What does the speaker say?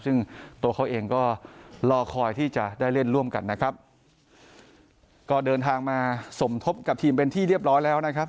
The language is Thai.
ซึ่งตัวเขาเองก็รอคอยที่จะได้เล่นร่วมกันนะครับก็เดินทางมาสมทบกับทีมเป็นที่เรียบร้อยแล้วนะครับ